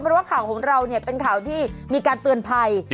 เพราะว่าข่าวของเราเป็นข่าวที่มีการเตือนภัย